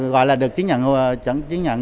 gọi là được chứng nhận